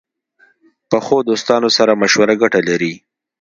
پخو دوستانو سره مشوره ګټه لري